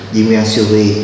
diêm ngang siêu vi